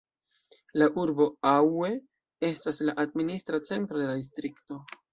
La urbo Aue estas la administra centro de la distrikto.